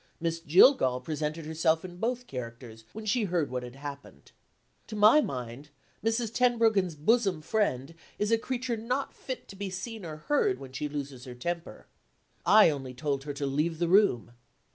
Miss Jillgall presented herself in both characters when she heard what had happened. To my mind, Mrs. Tenbruggen's bosom friend is a creature not fit to be seen or heard when she loses her temper. I only told her to leave the room.